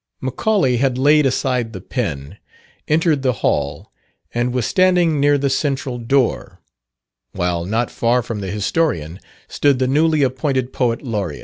Macaulay had laid aside the pen, entered the hall, and was standing near the central door, while not far from the historian stood the newly appointed Poet Laureat.